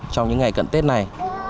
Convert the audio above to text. trong những ngày cận tết này